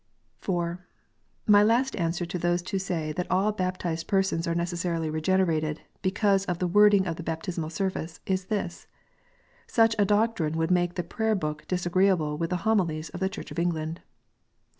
IV. My last answer to those who say that all baptized per sons are necessarily regenerated, because of the wording of the Baptismal Service, is this, such a doctrine would make the Prayer look disagree with the Homilies of the Church of England.